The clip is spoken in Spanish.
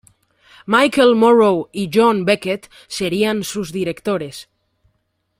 Michael Morrow y John Beckett serían sus directores.